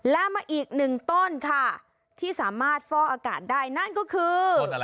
และมาอีกหนึ่งต้นค่ะที่สามารถฟ่ออากาศได้นั่นก็คือ